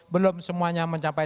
belum semuanya mencapai